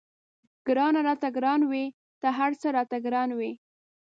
ګرانه ته راته ګران وې تر هر څه راته ګران وې.